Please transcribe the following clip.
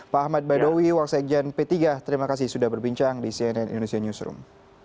pak ahmad baidowi waksegian p tiga terima kasih sudah berbincang di cnn indonesia newsroom